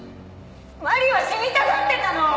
麻里は死にたがってたの！